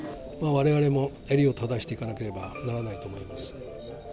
われわれも襟を正していかなければならないと思います。